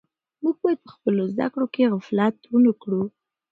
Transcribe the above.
موږ باید په خپلو زده کړو کې غفلت ونه کړو.